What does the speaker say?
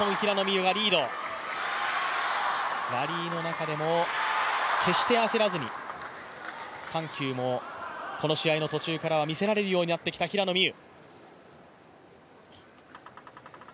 ラリーの中でも決して焦らずに、緩急もこの試合の途中からは見せられるようになってきた平野美宇。